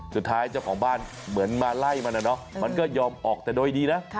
เจ้าของบ้านเหมือนมาไล่มันนะเนาะมันก็ยอมออกแต่โดยดีนะ